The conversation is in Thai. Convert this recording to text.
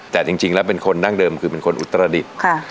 แต่จริงแล้วเป็นคนดั้งเดิมคือเป็นคนอุตรดิษฐ์